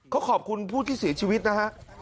เขาขอบคุณผู้ที่เสียชีวิตนะฮะ